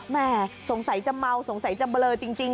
แม่สงสัยจะเมาสงสัยจะเบลอจริง